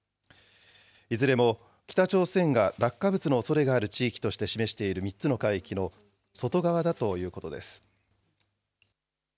いずれも北朝鮮が落下物のおそれがある地域として示している３つの海域の外側だということです。